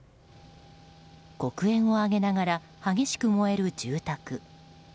黒煙を上げながら激しく燃える住宅。